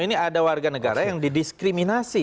ini ada warga negara yang didiskriminasi